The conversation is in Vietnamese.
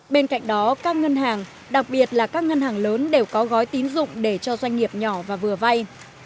bên cạnh đó các ngân hàng đặc biệt là các ngân hàng lớn đều có gói tín dụng để cho doanh nghiệp nhỏ và vừa vay